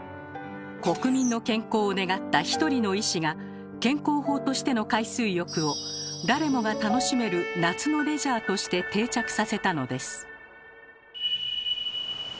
国民の健康を願った１人の医師が健康法としての海水浴を誰もが楽しめる夏のレジャーとして定着させたのです。